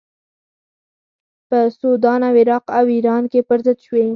په سودان او عراق او ایران کې پر ضد شوې.